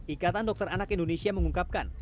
ikatan dokter anak indonesia mengungkapkan